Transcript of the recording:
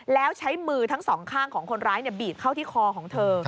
แล้วใช้มือทั้งสองข้างของคนร้ายบีบเข้าที่คอของเธอ